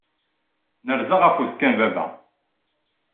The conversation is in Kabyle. Nerza ɣef uẓekka n baba.